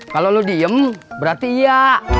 kalau lo diem berarti iya